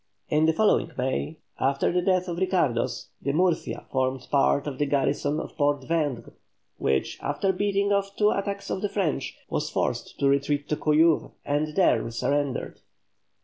In the following May, after the death of Ricardos, the "Murcia" formed part of the garrison of Port Vendres, which, after beating off two attacks of the French, was forced to retreat to Collioure and there surrendered.